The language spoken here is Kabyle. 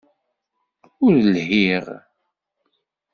Ur lhiɣ.